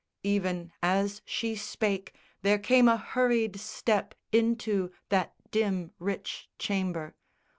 Even as she spake, there came a hurried step Into that dim rich chamber.